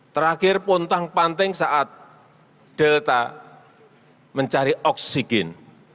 terakhir pun tang panting saat delta mencari oksigen